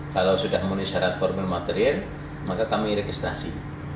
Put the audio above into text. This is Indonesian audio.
kalau sudah memenuhi syarat formal material maka kami registrasi